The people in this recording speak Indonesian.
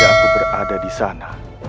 seanainya saja aku berada disana